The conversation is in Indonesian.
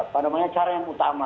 pada banyak cara yang utama